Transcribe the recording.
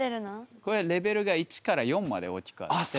これレベルが１４まで大きくあって。